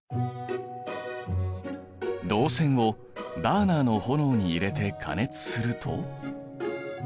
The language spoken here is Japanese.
銅線をバーナーの炎に入れて加熱すると。